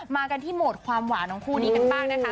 มากันที่โหมดความหวานของคู่นี้กันบ้างนะคะ